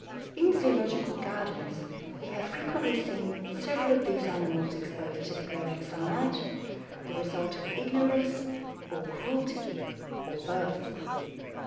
In zoological gardens we have frequently seen several of these animals exposed to the glaring sunlight, the result of ignorance or cruelty, or both.